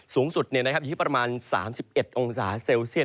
สูงสุดอยู่ที่ประมาณ๓๑องศาเซลเซียต